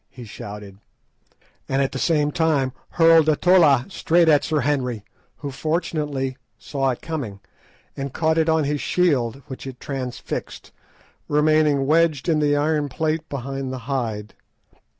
he shouted, and at the same time hurled a tolla straight at Sir Henry, who fortunately saw it coming, and caught it on his shield, which it transfixed, remaining wedged in the iron plate behind the hide.